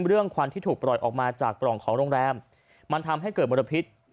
ควันที่ถูกปล่อยออกมาจากปล่องของโรงแรมมันทำให้เกิดมลพิษ